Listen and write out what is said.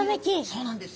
そうなんです。